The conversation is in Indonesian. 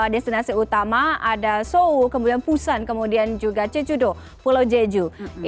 destinasi utama ada seoul kemudian busan kemudian juga jeju do pulau jeju